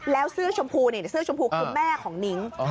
แล้วเสื้อชมพูเสื้อชมพูคือแม่ของนิ้ง